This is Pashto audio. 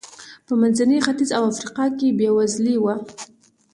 په منځني ختیځ او افریقا کې بېوزلي و.